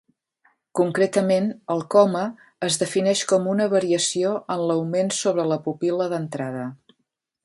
Concretament, el coma es defineix com una variació en l'augment sobre la pupil·la d'entrada.